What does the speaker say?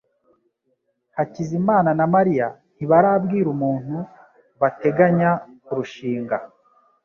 Hakizamana na Mariya ntibarabwira umuntu bateganya kurushinga.